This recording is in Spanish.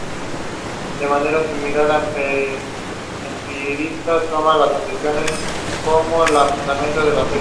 De manera similar, los empiristas toman las observaciones como el fundamento de la serie.